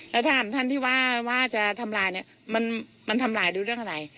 แล้วถามท่านที่ว่าจะทำลายเนี่ยมันทำลายดูเรื่องอะไร